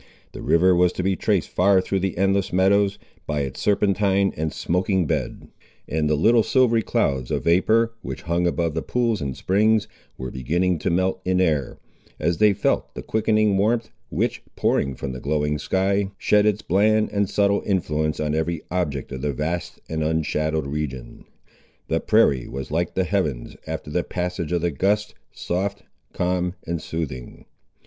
The river was to be traced far through the endless meadows, by its serpentine and smoking bed; and the little silvery clouds of vapour, which hung above the pools and springs, were beginning to melt in air, as they felt the quickening warmth, which, pouring from the glowing sky, shed its bland and subtle influence on every object of the vast and unshadowed region. The prairie was like the heavens after the passage of the gust, soft, calm, and soothing.